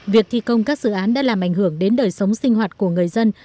việc thi công các dự án đã làm ảnh hưởng đến đời sống sinh hoạt của người dân